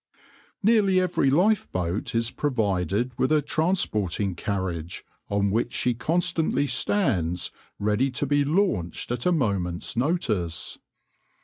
\par Nearly every lifeboat is provided with a transporting carriage on which she constantly stands ready to be launched at a moment's notice.